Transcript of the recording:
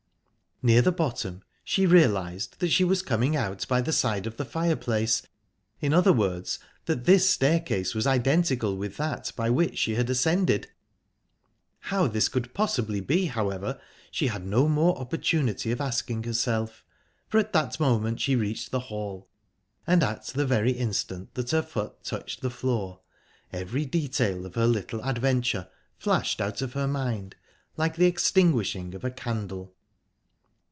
Near the bottom she realised that she was coming out by the side of the fireplace in other words, that this staircase was identical with that by which she had ascended...How this could possibly be, however, she had no more opportunity of asking herself, for at that moment she reached the hall, and at the very instant that her foot touched the floor every detail of her little adventure flashed out of her mind, like the extinguishing of a candle.